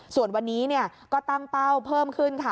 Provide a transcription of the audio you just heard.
ส่วนวันนี้ก็ตั้งเป้าเพิ่มขึ้นค่ะ